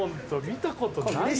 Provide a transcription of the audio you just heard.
見たことない。